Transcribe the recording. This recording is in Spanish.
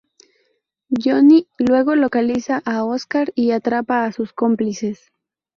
Johnny luego localiza a Oscar y atrapa a sus cómplices.